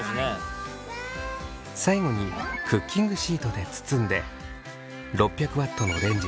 最後にクッキングシートで包んで６００Ｗのレンジで３分。